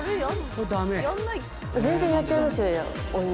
全然やっちゃいますよ、お芋。